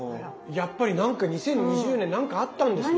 やっぱり何か２０２０年何かあったんですね。